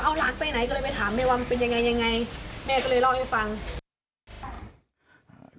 เอาหลานไปไหนก็เลยไปถามแม่ว่ามันเป็นยังไงยังไงแม่ก็เลยเล่าให้ฟัง